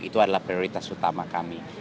itu adalah prioritas utama kami